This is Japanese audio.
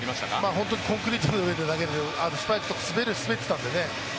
本当にコンクリートの上で投げてる、スパイクとか滑ってたんでね。